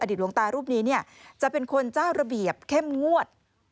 หลวงตารูปนี้เนี่ยจะเป็นคนเจ้าระเบียบเข้มงวด